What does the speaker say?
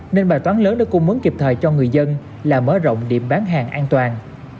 nên bài toán lớn để cung ứng kịp thời cho người dân là mở rộng điểm bán hàng an toàn